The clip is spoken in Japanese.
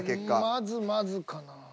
まずまずかなぁ。